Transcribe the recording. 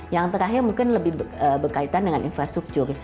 yang terakhir mungkin lebih berkaitan dengan infrastruktur